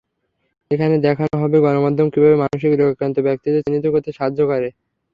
এখানে দেখানো হবে গণমাধ্যম কীভাবে মানসিক রোগাক্রান্ত ব্যক্তিদের চিহ্নিত করতে সাহায্য করে।